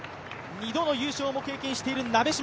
２度の優勝も経験している鍋島。